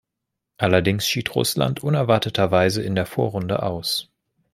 Allerdings schied Russland unerwarteterweise in der Vorrunde aus.